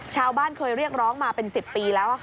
ชาวบ้านเคยเรียกร้องมาเป็น๑๐ปีแล้ว